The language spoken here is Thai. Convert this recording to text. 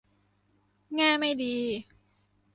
แง่ไม่ดี